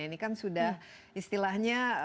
ini kan sudah istilahnya